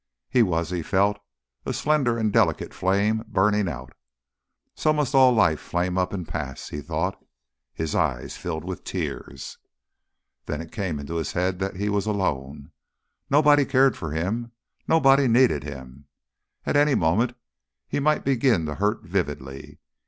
He was, he felt, a slender and delicate flame, burning out. So must all life flame up and pass, he thought. His eyes filled with tears. Then it came into his head that he was alone. Nobody cared for him, nobody needed him! at any moment he might begin to hurt vividly.